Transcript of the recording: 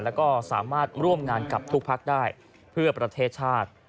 แล้วก็สามารถร่วมงานกับทุกพักได้เพื่อประเทศชาติ